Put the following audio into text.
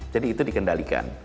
jadi itu dikendalikan